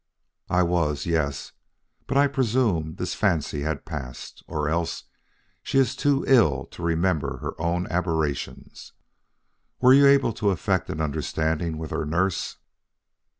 "I was, yes; but I presume this fancy had passed, or else she is too ill to remember her own aberrations. Were you able to effect an understanding with her nurse?"